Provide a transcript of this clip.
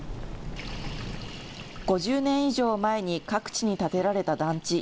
５０年以上前に各地に建てられた団地。